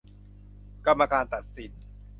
กรรมการตัดสิน